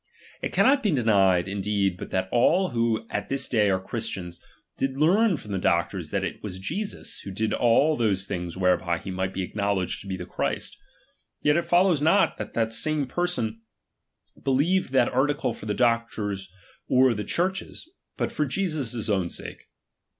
It cannot be denied, iibtiiBfo indeed, but that all who at this day are Christians, ''"'""°" did learn from the doctors that it was Jesus, who did all those things whereby he might be aclinow ledged to be the Christ. Yet it follows not, that the same persons believed that article for the doc tor's or the Church's, but for Jesus' own sake.